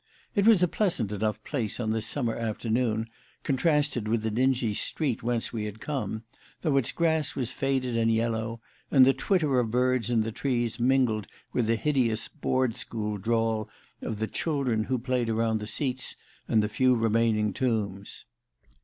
It was a pleasant enough place on this summer afternoon, contrasted with the dingy street whence we had come, though its grass was faded and yellow and the twitter of the birds in the trees mingled with the hideous Board school drawl of the children who played around the seats and the few remaining tombs.